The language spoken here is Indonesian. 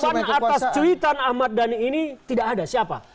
pesan atas cuitan ahmad dhani ini tidak ada siapa